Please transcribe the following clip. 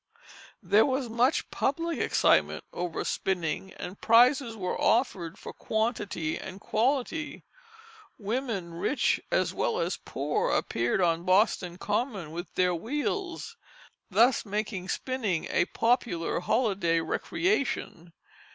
There was much public excitement over spinning, and prizes were offered for quantity and quality. Women, rich as well as poor, appeared on Boston Common with their wheels, thus making spinning a popular holiday recreation.